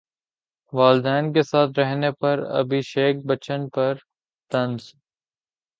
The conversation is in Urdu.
والدین کے ساتھ رہنے پر ابھیشیک بچن پر طنز